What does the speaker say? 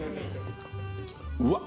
うわっ